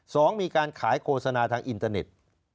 สองมีการขายโฆษณาทางอินเทอร์เน็ต